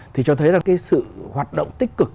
thì cho thấy là cái sự hoạt động tích cực